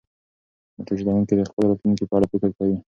موټر چلونکی د خپل راتلونکي په اړه فکر کوي.